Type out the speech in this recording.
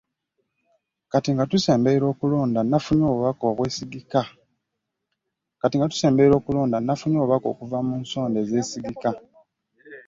Kati nga tusemberera okulonda nafunye obubaka okuva mu nsonda ezeesigika